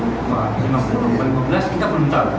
karena apa sepuluh lima puluh lima belas kita belum tahu